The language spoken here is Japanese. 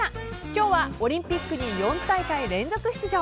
今日はオリンピックに４大会連続出場